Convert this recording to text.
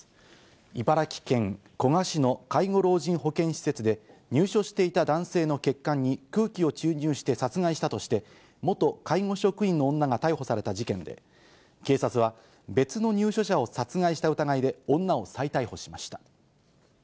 茨城県古河市の介護老人保健施設で、入所していた男性の血管に空気を注入して殺害したとして、元介護職員の女が逮捕された事件で、警察は、別の入所者を殺害した疑いで女を再逮捕しました。